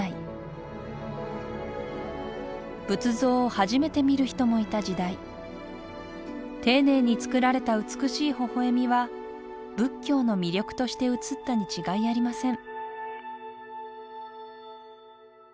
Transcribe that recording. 仏像を初めて見る人もいた時代丁寧に作られた美しいほほ笑みは仏教の魅力として映ったに違いありません